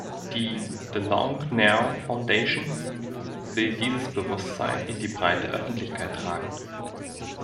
Die "The Long Now Foundation" will dieses Bewusstsein in die breite Öffentlichkeit tragen.